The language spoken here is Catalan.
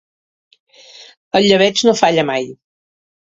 El llebeig no falla mai.